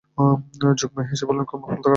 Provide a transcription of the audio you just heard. যোগমায়া হেসে বললেন, কর্মফল কার বাবা।